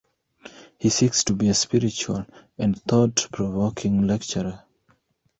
He seeks to be a spiritual and thought-provoking lecturer.